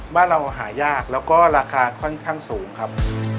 บ้านเราหายากแล้วก็ราคาค่อนข้างสูงครับ